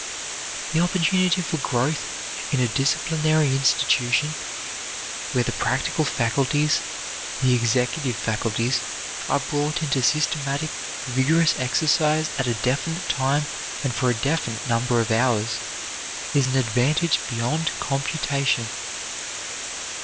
The opportunity for growth in a disciplinary institution, where the practical faculties, the executive faculties, are brought into systematic, vigorous exercise at a definite time and for a definite number of hours, is an advantage beyond computation.